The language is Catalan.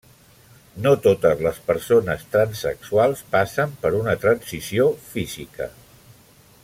No totes les persones transsexuals passen per una transició física.